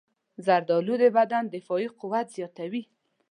زردالو د بدن دفاعي قوت زیاتوي.